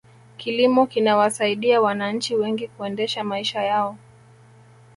kilimo kinawasaidia wananchi wengi kuendesha maisha yao